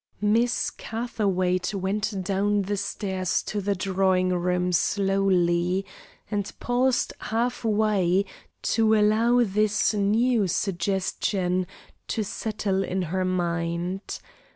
Miss Catherwaight went down the stairs to the drawing room slowly, and paused half way to allow this new suggestion to settle in her mind.